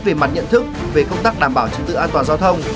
về mặt nhận thức về công tác đảm bảo trật tự an toàn giao thông